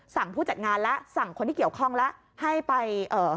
สั่งผู้จัดงานแล้วสั่งคนที่เกี่ยวข้องแล้ว